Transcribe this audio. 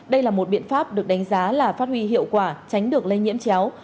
đây là một biện pháp được đánh giá là phát huy hiệu quả tránh được lây nhiễm chéo